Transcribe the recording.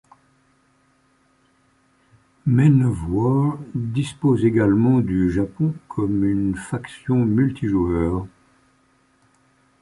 Men of War dispose également du Japon comme une faction multijoueur.